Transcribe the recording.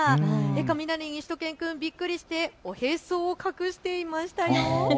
雷にしゅと犬くん、びっくりしておへそを隠していましたよ。